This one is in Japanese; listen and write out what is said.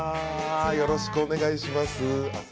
よろしくお願いします。